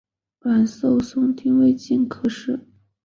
阮寿松丁未科进士。